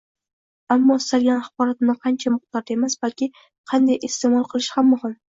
Ammo istalgan axborotni qancha miqdorda emas, balki qanday iste`mol qilish ham muhim